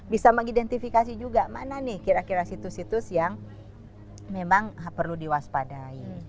bisa mengidentifikasi juga mana nih kira kira situs situs yang memang perlu diwaspadai